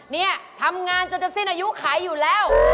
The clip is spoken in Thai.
นี่ทำงานจนจะสิ้นอายุขายอยู่แล้ว